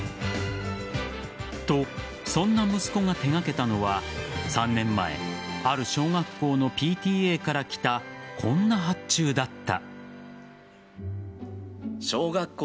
と、そんな息子が手がけたのは３年前ある小学校のＰＴＡからきたこんな発注だった。